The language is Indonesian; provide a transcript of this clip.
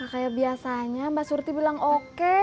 kayak biasanya mbak surti bilang oke